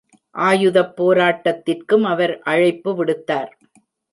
ஆயுதப் போராட்டத்திற்கும் அவர் அழைப்பு விடுத்தார்.